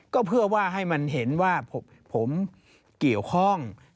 ก็เพื่อว่าให้มันเห็นว่าผมเกี่ยวข้อง